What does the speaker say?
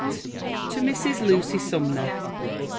TO MRS. LUCY SUMNER.